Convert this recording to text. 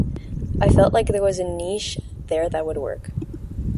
I felt like there was a niche there that would work.